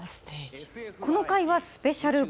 この回はスペシャル版。